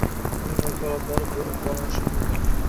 Uning vakolatlari bo‘lib olinishi mumkin